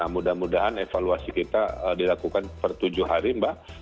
mudah mudahan evaluasi kita dilakukan per tujuh hari mbak